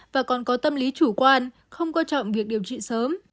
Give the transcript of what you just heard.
và còn có tâm lý chủ quan không quan trọng việc điều trị sớm